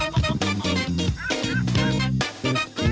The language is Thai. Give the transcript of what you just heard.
นะครับ